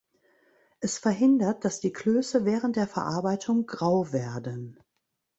Es verhindert, dass die Klöße während der Verarbeitung grau werden.